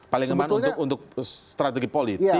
paling aman untuk strategi politik